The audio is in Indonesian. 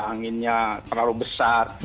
anginnya terlalu besar